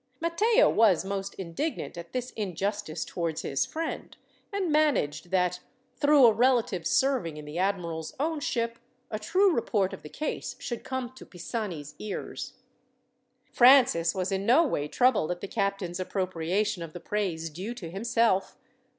Matteo was most indignant at this injustice towards his friend, and managed that, through a relative serving in the admiral's own ship, a true report of the case should come to Pisani's ears. Francis was in no way troubled at the captain's appropriation of the praise due to himself.